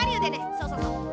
そうそうそう。